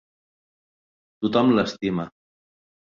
Tothom l'estima.